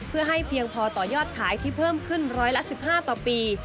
เพื่อให้เพียงพอต่อยอดขายที่เพิ่มขึ้นร้อยละ๑๕ต่อปี